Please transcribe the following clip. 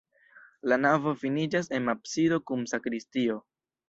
La navo finiĝas en absido kun sakristio.